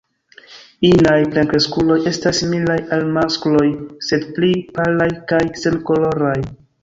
Inaj plenkreskuloj estas similaj al maskloj sed pli palaj kaj senkoloraj.